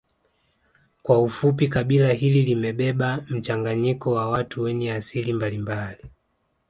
Kwa ufupi kabila hili limebeba mchanganyiko wa watu wenye asili mbalimbali